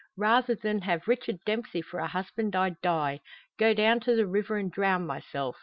Rather than have Richard Dempsey for a husband, I'd die go down to the river and drown myself!